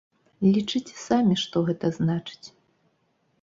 Лічыце самі, што гэта значыць!